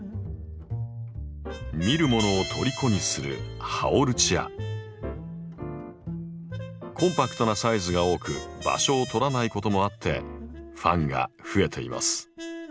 見る者をとりこにするコンパクトなサイズが多く場所を取らないこともあってファンが増えています。